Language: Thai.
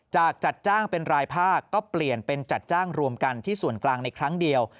จัดจัดจ้างเป็นรายภาคก็เปลี่ยนเป็นจัดจ้างรวมกันที่ส่วนกลางในครั้งเดียว